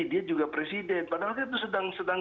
dia juga presiden padahal kan itu sedang